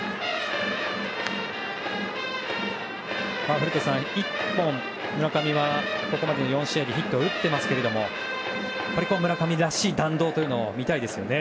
古田さん、１本村上はここまでの４試合でヒットを打っていますが村上らしい弾道を見たいですよね。